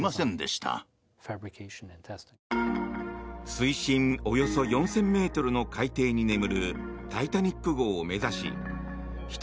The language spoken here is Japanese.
水深およそ４０００ｍの海底に眠る「タイタニック号」を目指し１人